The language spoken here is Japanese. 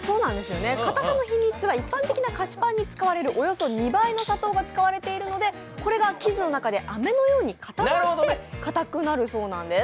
かたさの秘密は一般の菓子パンで使われるおよそ２倍の砂糖が使われているので、これが生地の中であめのように固まって、堅くなるそうなんです。